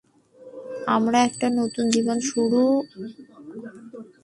আমার একটা নতুন জীবন শুরু হয়েছিলো, পোন্নি।